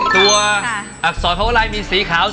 ตัวอักษรเพราะว่าไรมีสีขาว